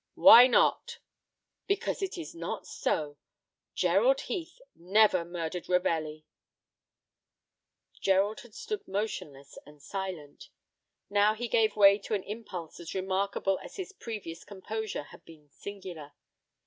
"Why not?" "Because it is not so. Gerald Heath never murdered Ravelli." Gerald had stood motionless and silent. Now he gave way to an impulse as remarkable as his previous composure had been singular.